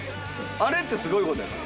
あれってすごいことやから。